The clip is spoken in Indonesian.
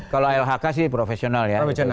kalau lhk sih profesional ya